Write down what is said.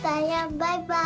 バイバイ！